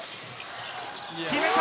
決めた！